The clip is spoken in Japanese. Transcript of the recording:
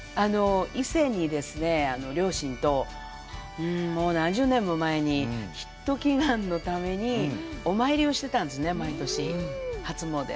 伊勢に両親と、もう何十年も前にヒット祈願のためにお参りをしてたんですね、毎年、初詣で。